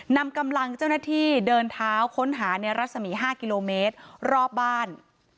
นำกำลังเจ้าหน้าที่เดินเท้าค้นหาในรัศมี๕กิโลเมตรรอบบ้าน